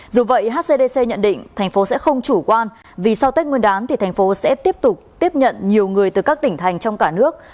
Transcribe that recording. dù vậy hcdc nhận định thành phố sẽ không chủ quan vì sau tết nguyên đán thì thành phố sẽ tiếp tục tiếp nhận nhiều người từ các tỉnh thành trong cả nước